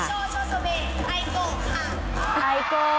มินิโชโชโซเบไอโกค่ะ